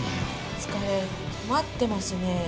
疲れたまってますね。